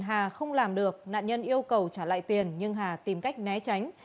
hà không làm được nạn nhân yêu cầu trả lại tiền nhưng hà tìm cách né tránh